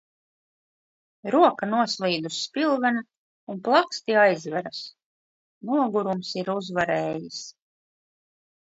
Roka noslīd uz spilvena un plaksti aizveras. Nogurums ir uzvarējis.